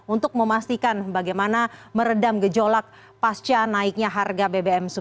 untuk memastikan bagaimana meredam gejolak pasca naiknya harga bbm